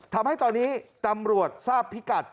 ทำให้ตอนนี้ตำรวจทราบพิกัด